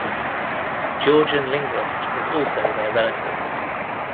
Georgian linguist was also their relative.